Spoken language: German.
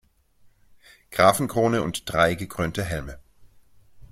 Grafenkrone und drei gekrönte Helme.